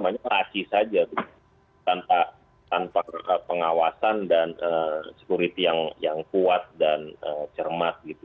namanya raci saja tanpa pengawasan dan security yang kuat dan cermat gitu